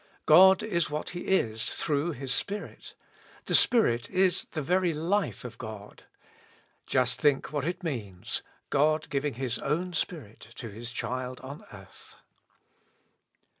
God is what He is through His Spirit; the Spirit is the very life of God. Just think what it means — God giving His own Spirit to His child on earth.